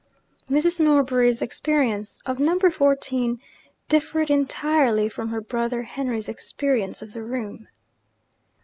Mrs. Norbury's experience of Number Fourteen differed entirely from her brother Henry's experience of the room.